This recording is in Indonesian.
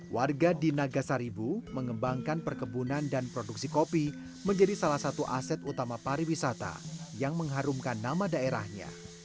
warga di nagasaribu mengembangkan perkebunan dan produksi kopi menjadi salah satu aset utama pariwisata yang mengharumkan nama daerahnya